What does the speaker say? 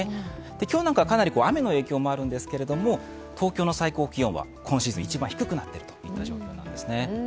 今日なんかかなり雨の影響もあるんですけど東京の最高気温は今シーズン一番低くなっているという状況なんですね。